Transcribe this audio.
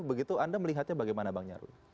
begitu anda melihatnya bagaimana bang nyarwi